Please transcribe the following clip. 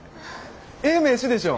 ええ名刺でしょ？